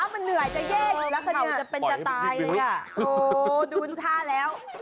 มันเห่าจะเป็นจะตายเลยค่ะโอ้โฮดูท่าแล้ว